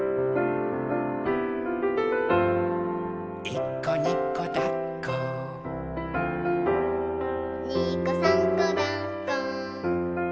「いっこにこだっこ」「にこさんこだっこ」